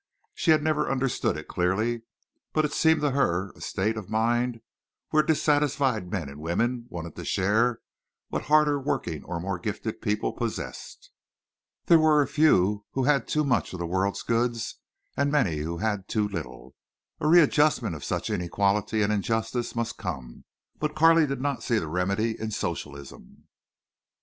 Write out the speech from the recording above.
She had never understood it clearly, but it seemed to her a state of mind where dissatisfied men and women wanted to share what harder working or more gifted people possessed. There were a few who had too much of the world's goods and many who had too little. A readjustment of such inequality and injustice must come, but Carley did not see the remedy in Socialism.